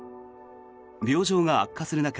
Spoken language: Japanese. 病状が悪化する中